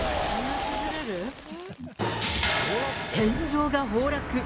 天井が崩落。